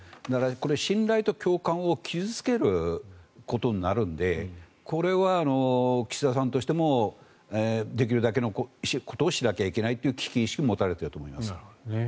これは信頼と共感を傷付けることになるのでこれは岸田さんとしてもできるだけのことをしなければいけないという危機意識を持たれていると思います。